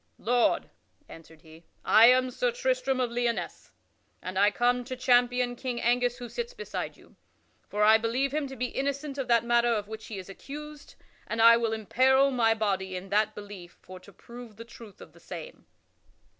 "Lord," answered he, "I am Sir Tristram of Lyonesse, and I am come to champion King Angus who sits beside you. For I believe him to be innocent of that matter of which he is accused, and I will emperil my body in that belief for to prove the truth of the same."